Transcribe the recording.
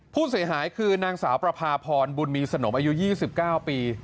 ผู้เสียหายคือนางสาวประพาพรบุญมีสนมอายุ๒๙ปี